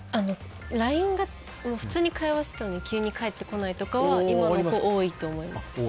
ＬＩＮＥが普通に会話してたのに急に返ってこないとかは今も多いと思います。